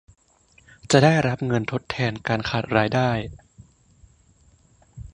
จะได้รับเงินทดแทนการขาดรายได้